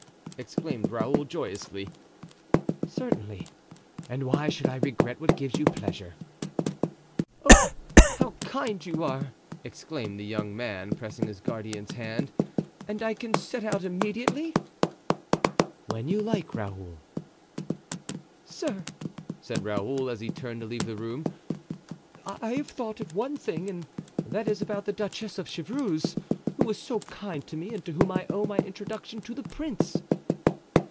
exclaimed Raoul, joyously. "Certainly; and why should I regret what gives you pleasure?" "Oh! how kind you are," exclaimed the young man, pressing his guardian's hand; "and I can set out immediately?" "When you like, Raoul." "Sir," said Raoul, as he turned to leave the room, "I have thought of one thing, and that is about the Duchess of Chevreuse, who was so kind to me and to whom I owe my introduction to the prince."